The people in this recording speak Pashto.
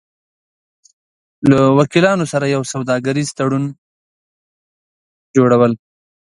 -له وکیلانو سره د یو سوداګریز تړون جوړو ل